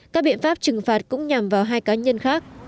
các biện pháp trừng phạt cũng nhằm vào hai cá nhân khác